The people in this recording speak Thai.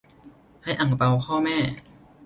ให้อั่งเปาพ่อแม่